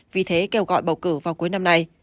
vì thế kêu gọi bầu cử vào cuối năm nay